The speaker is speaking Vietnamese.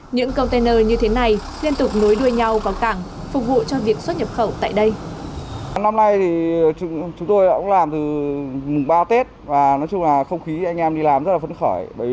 những container như thế này liên tục nối đuôi nhau vào cảng phục vụ cho việc xuất nhập khẩu tại đây